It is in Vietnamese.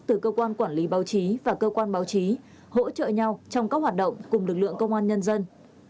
từ cơ quan quản lý báo chí và cơ quan báo chí hỗ trợ nhau trong các hoạt động cùng lực lượng công an nhân dân